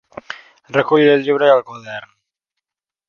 Recull el llibre i el quadern.